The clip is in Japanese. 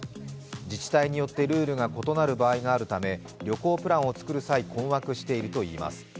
自治体によってルールが異なる場合があるため旅行プランを作る際困惑しているといいます。